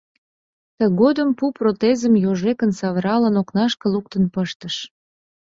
Тыгодым пу протезым йожекын савыралын, окнашке луктын пыштыш.